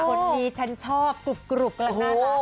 คนดีฉันชอบกรุบแล้วค่ะ